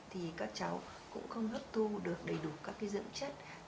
thì các cháu cũng không hấp thu được đầy đủ các cái dưỡng chất